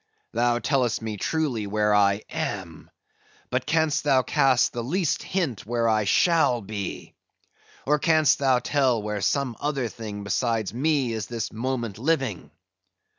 thou tellest me truly where I am—but canst thou cast the least hint where I shall be? Or canst thou tell where some other thing besides me is this moment living?